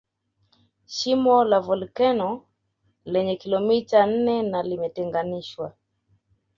Shimo la volkeno lenye kilomita nne na limetenganishwa